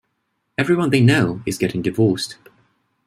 Everyone they know is getting divorced.